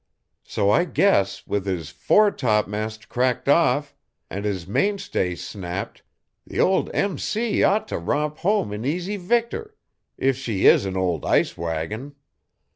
So I guess with his foretopmast cracked off and his mainstay snapped the old M. C. ought to romp home an easy victor, if she is an old ice wagon.